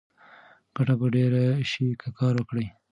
ګټه به ډېره شي که کار وکړې.